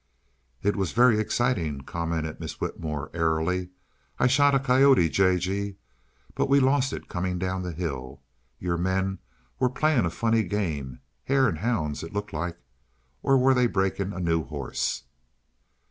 "It was very exciting," commented Miss Whitmore, airily. "I shot a coyote, J. G., but we lost it coming down the hill. Your men were playing a funny game hare and hounds, it looked like. Or were they breaking a new horse?"